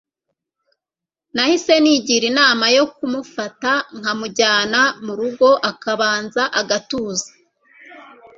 nahise nigira inama yo kumufata nkamujyana murugo akabanza agatuza